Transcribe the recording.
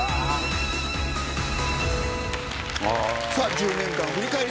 １０年間振り返り